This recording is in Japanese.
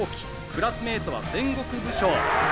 クラスメイトは戦国武将』。